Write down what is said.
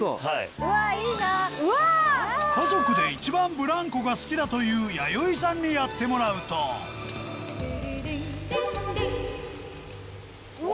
家族で一番ブランコが好きだという弥生さんにやってもらうとうわ！